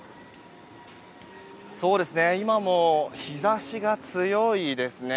今も日差しが強いですね。